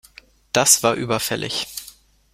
Das war überfällig.